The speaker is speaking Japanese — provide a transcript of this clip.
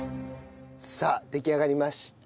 さあ出来上がりました。